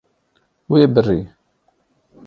Wê birî.